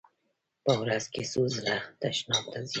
په ورځ کې څو ځله تشناب ته ځئ؟